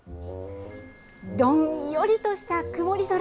どんよりとした曇り空。